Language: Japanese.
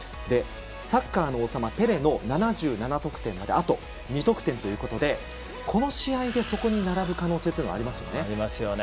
サッカーの王様ペレの７７得点まであと２得点ということでこの試合でそこに並ぶ可能性というのはありますかね。